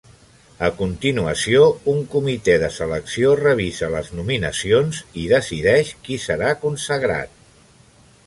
A continuació, un comitè de selecció revisa les nominacions i decideix qui serà consagrat.